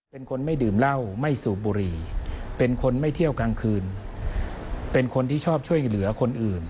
เป็นคนไม่ดื่มเหล้าไม่สูบบุหรี่เป็นคนไม่เที่ยวกลางคืนเป็นคนที่ชอบช่วยเหลือคนอื่น